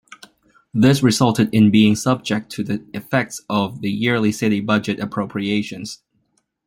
This resulted in being subject to the effects of yearly city budget appropriations.